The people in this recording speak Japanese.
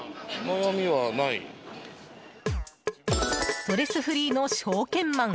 ストレスフリーの証券マン。